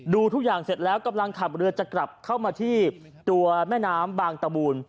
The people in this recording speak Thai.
ดูทุกอย่างเสร็จแล้วกำลังขับเรือจะกลับเข้ามาที่ตัวแม่น้ำบางตะบูน